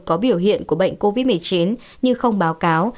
có biểu hiện của bệnh covid một mươi chín nhưng không báo cáo